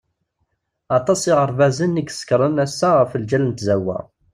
Aṭas iɣerbazen i isekkṛen assa ɣef lǧal n tzawwa.